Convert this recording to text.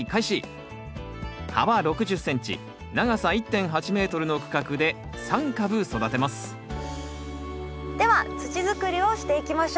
幅６０ｃｍ長さ１．８ｍの区画で３株育てますでは土づくりをしていきましょう。